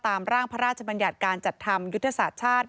ตามร่างพระราชบัญญัติการจัดทำยุทธศาสตร์ชาติ